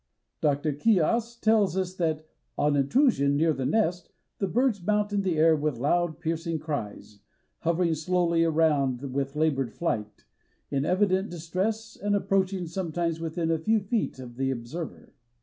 Dr. Coues tells us that "on intrusion near the nest the birds mount in the air with loud, piercing cries, hovering slowly around with labored flight, in evident distress and approaching sometimes within a few feet of the observer."